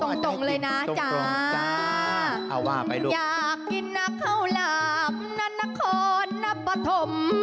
อยากกินน่ะข้าวหลับนาฆนหนั้บประถม